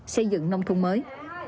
xây dựng nông thung mới